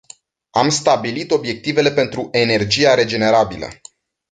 Am stabilit obiectivele pentru energia regenerabilă.